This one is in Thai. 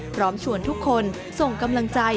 พร้อมชวนทุกคนส่งกำลังใจ